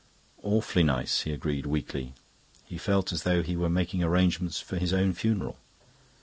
"Awfully nice," he agreed weakly. He felt as though he were making arrangements for his own funeral.